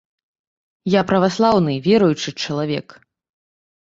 Я праваслаўны, веруючы чалавек.